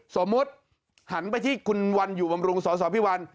สมมุติหันไปที่คุณวันอยู่บำรุงสสพิวัล